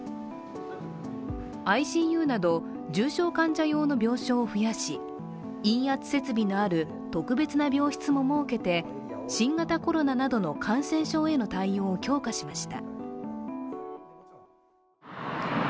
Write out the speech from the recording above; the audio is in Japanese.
ＩＣＵなど重症患者用の病床を増やし陰圧設備のある特別な病室も設けて新型コロナなどの感染症への対応を強化しました。